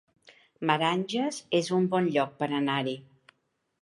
Meranges es un bon lloc per anar-hi